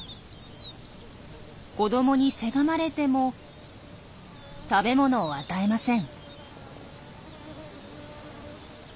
子どもにせがまれても食べ物を与えません。